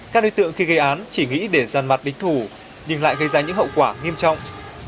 các đối tượng khi gây án chỉ nghĩ để giàn mặt địch thủ nhưng lại gây ra những hậu quả nghiêm trọng